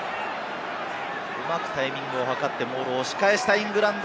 うまくタイミングをはかって押し返したイングランド。